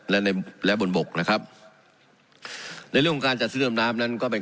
และในและบนบกนะครับในเรื่องของการจัดซื้อดำน้ำนั้นก็เป็น